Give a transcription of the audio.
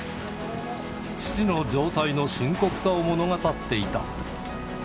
父の状態の深刻さを物語っていた。